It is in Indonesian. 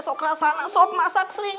jangan jangan jangan